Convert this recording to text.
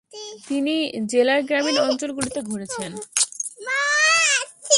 তিনি জেলার গ্রামীণ অঞ্চলগুলিতে ঘুরেছেন।